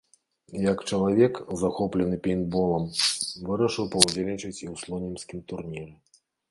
Як чалавек, захоплены пейнтболам, вырашыў паўдзельнічаць і ў слонімскім турніры.